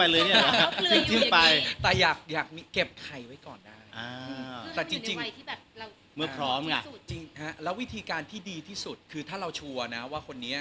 แล้ววิธีการที่ดีที่สุดคือถ้าเราชัวร์นะว่าคนนี้